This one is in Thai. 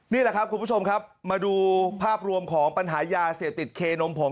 นี่แหละครับคุณผู้ชมครับมาดูภาพรวมของปัญหายาเสพติดเคนมผง